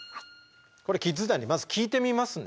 これキッズ団にまず聞いてみますね。